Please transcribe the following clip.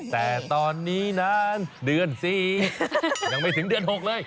แต่ตอนนี้นานเดือน๔ยังไม่ถึงเดือน๖เลย